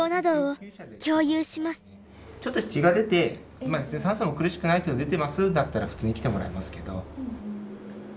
ちょっと血が出て酸素も苦しくないというの出てますだったら普通に来てもらいますけど。